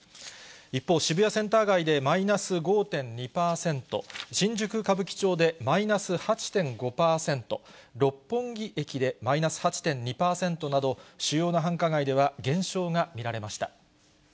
一方、渋谷センター街でマイナス５．２％、新宿・歌舞伎町でマイナス８．５％、六本木駅でマイナス８．２％など、主要な繁華街では減少が見られました。